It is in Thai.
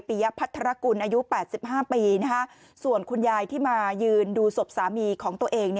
ยพัทรกุลอายุ๘๕ปีส่วนคุณยายที่มายืนดูศพสามีของตัวเอง